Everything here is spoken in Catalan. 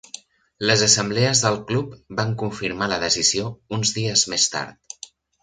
Les assemblees del club van confirmar la decisió uns dies més tard.